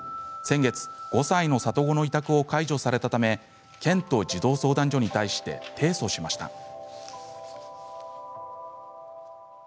先月、５歳の里子の委託を解除されたため県と児童相談所に対して提訴しました。